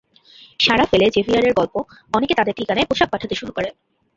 সাড়া ফেলে জেভিয়ারের গল্প, অনেকে তাদের ঠিকানায় পোশাক পাঠাতে শুরু করে।